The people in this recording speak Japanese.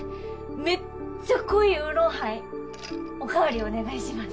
めっちゃ濃いウーロンハイおかわりお願いします。